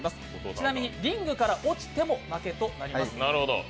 ちなみにリングから落ちても負けとなります。